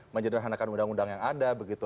menyederhanakan undang undang yang ada begitu